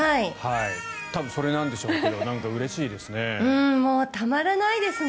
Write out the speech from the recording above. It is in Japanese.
多分、それなんでしょうけどうれしいですね。